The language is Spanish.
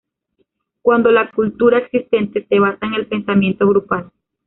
Cuando la cultura existente se basa en el pensamiento grupal.